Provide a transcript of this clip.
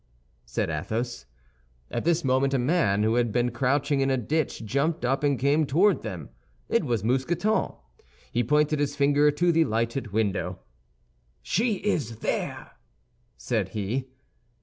said Athos. At this moment a man who had been crouching in a ditch jumped up and came towards them. It was Mousqueton. He pointed his finger to the lighted window. "She is there," said he.